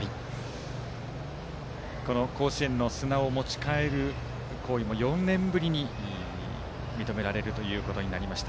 この甲子園の砂を持ち帰る行為も４年ぶりに認められることになりました。